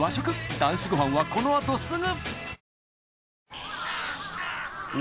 『男子ごはん』はこのあとすぐ！